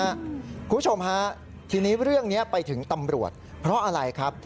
คุณผู้ชมฮะทีนี้เรื่องนี้ไปถึงตำรวจเพราะอะไรครับ